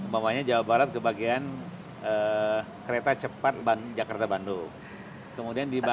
bawanya jawa barat kebagian kereta cepat jakarta bandung